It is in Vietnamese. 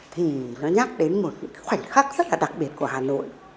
thì nó nhắc đến một khoảnh khắc rất là đặc biệt của hà nội